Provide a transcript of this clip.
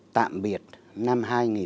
tạm biệt năm hai nghìn một mươi tám